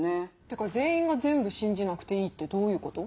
てか「全員が全部信じなくていい」ってどういうこと？